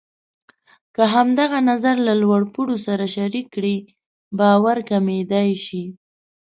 که همدغه نظر له لوړ پوړو سره شریک کړئ، باور کمېدای شي.